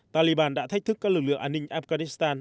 taliban đã thách thức các lực lượng an ninh afghanistan